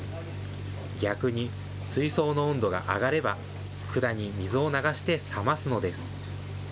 逆に、水槽の温度が上がれば、管に水を流して冷ますのです。